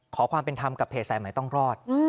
ขอความเป็นธรรมกับเพจสายใหม่ต้องรอด